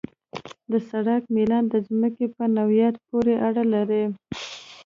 د سړک میلان د ځمکې په نوعیت پورې اړه لري